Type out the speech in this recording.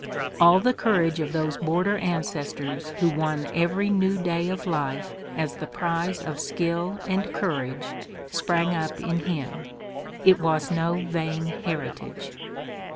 All the courage of those border ancestors who won every new day of life as the prize of skill and courage sprang up in him. It was no vain heritage.